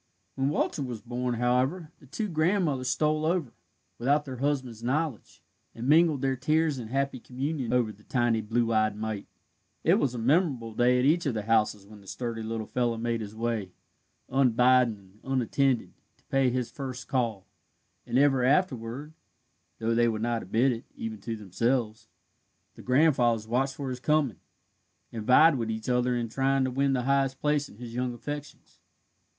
When Walter was born, however, the two grandmothers stole over, without their husbands' knowledge, and mingled their tears in happy communion over the tiny blue eyed mite. It was a memorable day at each of the houses when the sturdy little fellow made his way, unbidden and unattended, to pay his first call, and ever afterward (though they would not admit it, even to themselves) the grandfathers watched for his coming, and vied with each other in trying to win the highest place in his young affections.